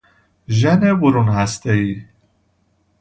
ژن برون هستهای